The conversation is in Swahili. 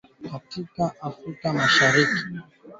bangi ina uwezo wa kulipa madeni yote ya Kenya katika mda mfupi